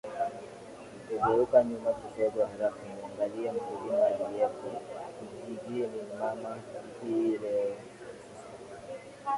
kugeuka nyuma kisogo halafu muangalie mkulima aliyeko kijijini mama hii leo ssra